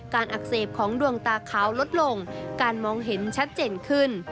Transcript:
อักเสบของดวงตาขาวลดลงการมองเห็นชัดเจนขึ้น